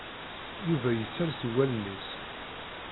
Yuba issers i wallen-is.